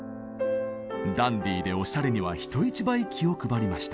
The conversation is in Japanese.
ダンディーでおしゃれには人一倍気を配りました。